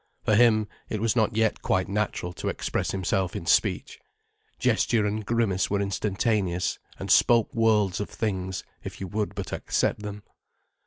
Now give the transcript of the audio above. For him, it was not yet quite natural to express himself in speech. Gesture and grimace were instantaneous, and spoke worlds of things, if you would but accept them.